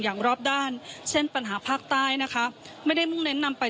อย่างรอบด้านเช่นปัญหาภาคใต้นะคะไม่ได้มุ่งเน้นนำไป